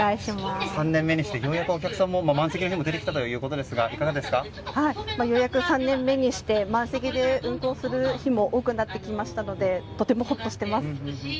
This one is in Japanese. ３年目にしてようやくお客さんも満席も出てきたということですがようやく３年目にして満席で運行する日多くなってきましたのでとてもほっとしています。